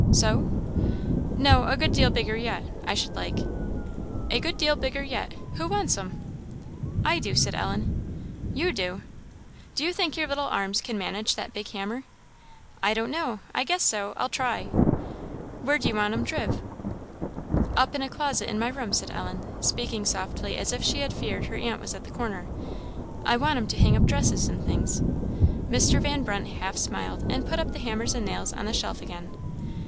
"So?" "No, a good deal bigger yet, I should like." "A good deal bigger yet who wants 'em?" "I do," said Ellen, smiling. "You do! do you think your little arms can manage that big hammer?" "I don't know; I guess so; I'll try." "Where do you want 'em driv?" "Up in a closet in my room," said Ellen, speaking as softly as if she had feared her aunt was at the corner; "I want 'em to hang up dresses and things." Mr. Van Brunt half smiled, and put up the hammer and nails on the shelf again.